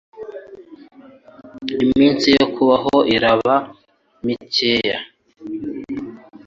Iminsi ye yo kubaho irabe mikeya